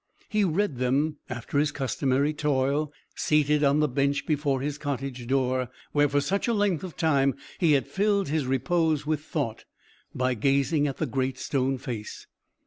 He read them after his customary toil, seated on the bench before his cottage door, where for such a length of time he had filled his repose with thought, by gazing at the Great Stone Face.